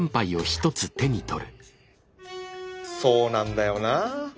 そうなんだよなあ